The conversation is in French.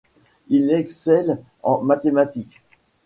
Il excelle en mathématiques.